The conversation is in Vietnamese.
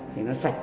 thì nó sạch